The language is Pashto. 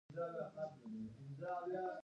حل په ګډې ناستې کې دی.